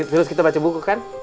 virus kita baca buku kan